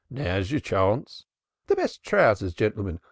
"Now's your chance " "The best trousers, gentlemen.